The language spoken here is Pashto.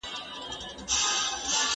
اسمان، ځمکه، سپوږمۍ او لمر وګورئ.